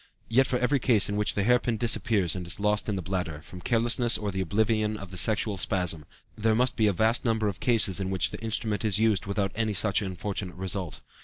Yet for every case in which the hair pin disappears and is lost in the bladder, from carelessness or the oblivion of the sexual spasm, there must be a vast number of cases in which the instrument is used without any such unfortunate result.